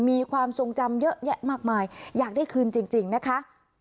มีความทรงจำเยอะแยะมากมายอยากได้คืนจริงนะคะ